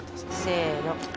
せの。